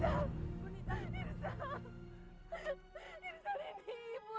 jangan pak ibu saya sudah meninggal saya tidak punya ibu seperti itu